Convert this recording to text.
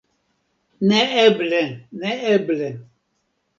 Neeble, neeble!